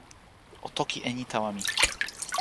o toki e ni tawa mi.